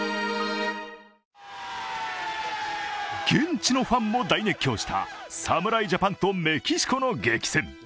現地のファンも大熱狂した侍ジャパンとメキシコの激戦。